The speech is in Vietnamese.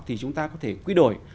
thì chúng ta có thể quy đổi